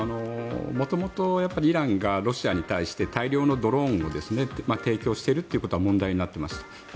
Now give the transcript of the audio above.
元々、イランがロシアに対して大量のドローンを提供しているということは問題になっていました。